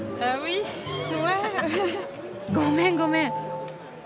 ごめんごめん。